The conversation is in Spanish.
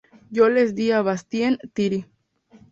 Yo les di a Bastien-Thiry.